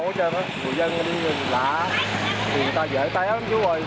người dân đi lạ người ta dễ té chú ơi